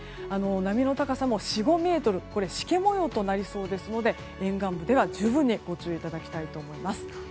波の高さも４５ｍしけもようとなりそうですので沿岸部では十分にご注意いただきたいと思います。